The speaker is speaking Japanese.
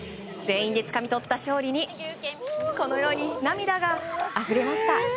全員でつかみ取った勝利にこのように涙があふれました。